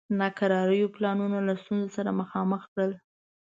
ناکراریو پلانونه له ستونزو سره مخامخ کړل.